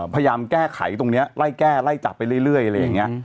พยายามแก้ไขตรงนี้ไล่แก้ไล่จับไปเรื่อยอะไรอย่างนี้